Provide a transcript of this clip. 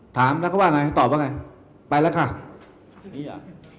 ถามก็ว่าไงตอบก็ไงไปแล่วค่ะนี่อ่ะ